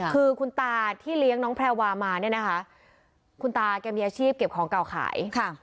คือคุณตาที่เลี้ยงน้องแพรวามาเนี่ยนะคะคุณตาแกมีอาชีพเก็บของเก่าขาย